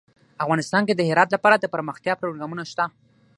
افغانستان کې د هرات لپاره دپرمختیا پروګرامونه شته.